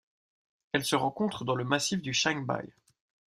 Elle se rencontre dans le massif du Changbai.